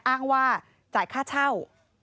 อ้างว่าจ่ายค่าเช่า